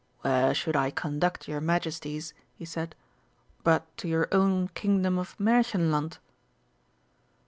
"Where should I conduct your Majesties," he said, "but to your own Kingdom of Märchenland?"